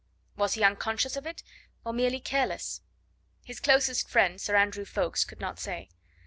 Was he unconscious of it, or merely careless? His closest friend, Sir Andrew Ffoulkes, could not say.